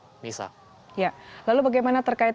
lalu bagaimana terkait dengan sebuah perusahaan yang berpengaruh